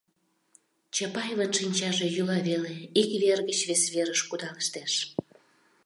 Чапаевын шинчаже йӱла веле, ик вер гыч вес верыш кудалыштеш.